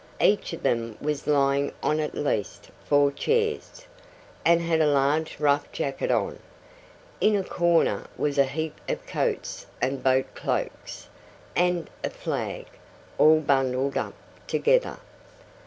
Each of them was lying on at least four chairs, and had a large rough jacket on. In a corner was a heap of coats and boat cloaks, and a flag, all bundled up together.